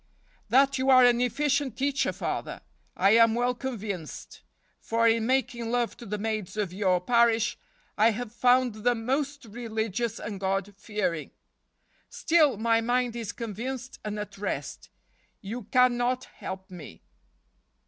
" That you are an efficient teacher, Father, I am well convinced; for in making love to the maids of your parish I have found them most religious and God fearing. Still, my mind is convinced and at rest. You can not help me."